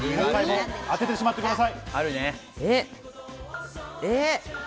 当ててしまってください！